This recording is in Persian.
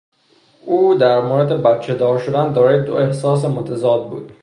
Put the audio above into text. او در مورد بچهدار شدن دارای دو احساس متضاد بود.